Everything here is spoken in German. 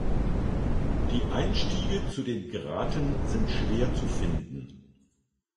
Die Einstiege zu den Graten sind schwer zu finden.